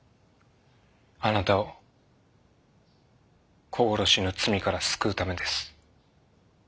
あなたを子殺しの罪から救うためです。